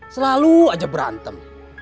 selalu aja berantem